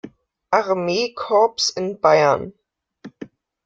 Armeekorps in Bayern.